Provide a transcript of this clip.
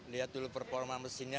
lihat dulu performa mesinnya